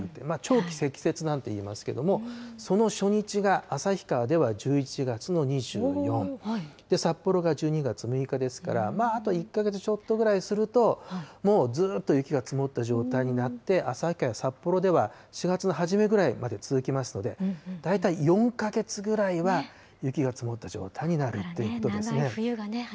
長期積雪なんて言いますけれども、その初日が旭川では１１月の２４、札幌が１２月６日ですから、あと１か月ちょっとぐらいすると、もうずっと雪が積もった状態になって、旭川や札幌では４月の初めぐらいまで続きますので、大体４か月ぐらいは雪が積もった状態になるっていうことですね。